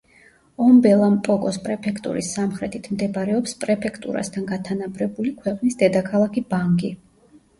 ომბელა-მპოკოს პრეფექტურის სამხრეთით მდებარეობს პრეფექტურასთან გათანაბრებული, ქვეყნის დედაქალაქი ბანგი.